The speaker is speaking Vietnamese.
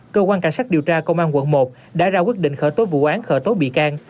cơ quan cảnh sát điều tra công an quận một đã ra quyết định khởi tố vụ án khởi tố bị can